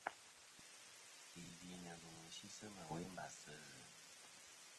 Yì gvi nɨ̀ lùmì si sɨ ma we mbas sɨ zɨ.